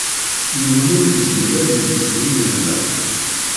Yiwen ur yezmir ad yegzu izen-a.